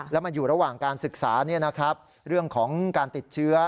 แล้วมันอยู่ระหว่างการศึกษาเรื่องของการติดเชื้อ